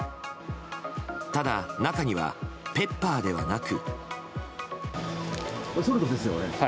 ただ、中にはペッパーではなく。